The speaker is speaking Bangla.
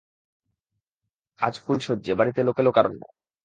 আজ ফুলশয্যে, বাড়িতে লোকে লোকারণ্য।